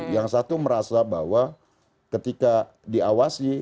yang satu merasa bahwa ketika diawasi